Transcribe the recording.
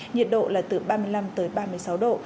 nhiệt độ là từ ba mươi năm tới ba mươi sáu độ